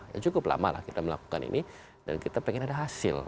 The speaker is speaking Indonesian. ya cukup lama lah kita melakukan ini dan kita pengen ada hasil